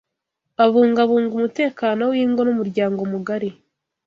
abungabunga umutekano w’ingo n’umuryango mugari